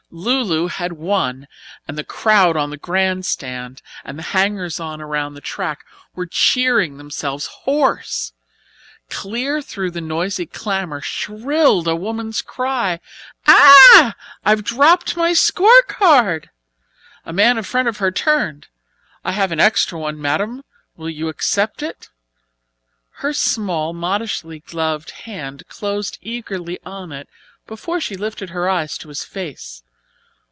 "Lu Lu" had won, and the crowd on the grand stand and the hangers on around the track were cheering themselves hoarse. Clear through the noisy clamour shrilled a woman's cry. "Ah I have dropped my scorecard." A man in front of her turned. "I have an extra one, madame. Will you accept it?" Her small, modishly gloved hand closed eagerly on it before she lifted her eyes to his face.